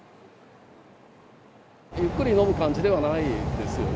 ゆっくり飲む感じではないですよね。